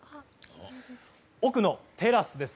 奥のテラスです。